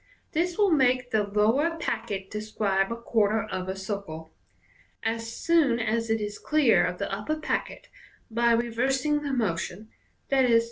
This will make the lower packet de* scribe a quarter of a circle. As soon as it is clear of the upper packet, by reversing the motion (ie.